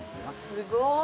すごい！